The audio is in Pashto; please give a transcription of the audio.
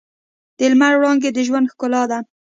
د لمر وړانګې د ژوند ښکلا ده.